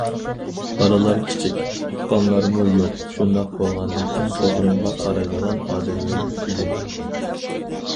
بالىلار كىچىك، تۇغقانلارمۇ يوق، شۇنداق بولغاندىكىن خوتۇنۇمغا قارايدىغان ئادەم يوق ئىدى.